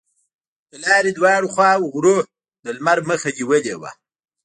د لارې دواړو خواوو غرونو د لمر مخه نیولې وه.